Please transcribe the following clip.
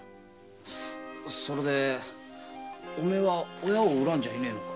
それでお前は親を恨んじゃいねえのか？